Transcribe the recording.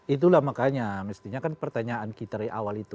itulah makanya mestinya kan pertanyaan kita dari awal itu